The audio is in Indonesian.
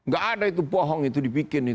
gak ada itu bohong itu dibikin